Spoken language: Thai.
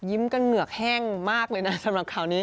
กันเหงือกแห้งมากเลยนะสำหรับข่าวนี้